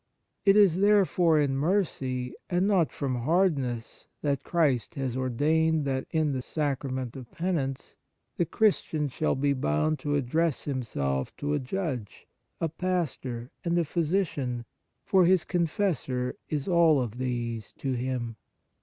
It is therefore in mercy, and not from hardness, that Christ has ordained that, in the Sacrament of Penance, the Christian shall be bound to address himself to a judge, a pastor, and a physician, for his confessor is all of these to him.